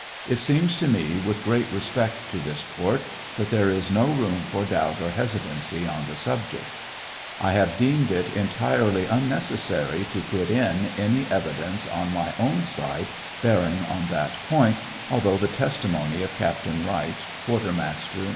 It seems to me, with great respect to this court, that there is no room for doubt or hesitancy on the subject. I have deemed it entirely unnecessary to put in any evidence on my own side bearing on that point, although the testimony of Cap tain Wright, quartermaster.